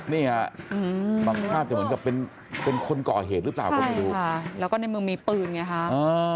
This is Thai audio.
นี่ค่ะบางภาพจะเหมือนกับเป็นคนก่อเหตุหรือเปล่าครับคุณผู้ชมใช่ค่ะแล้วก็ในเมืองมีปืนไงครับ